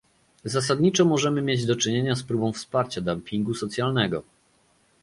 Zasadniczo możemy mieć do czynienia z próbą wsparcia dumpingu socjalnego